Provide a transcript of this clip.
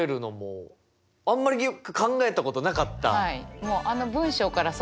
あんまり考えたことなかった。